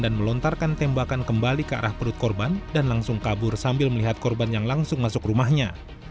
dan melontarkan tembakan kembali ke arah perut korban dan langsung kabur sambil melihat korban yang langsung masuk rumahnya